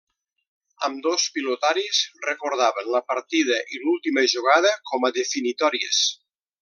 Ambdós pilotaris recordaven la partida i l'última jugada com a definitòries.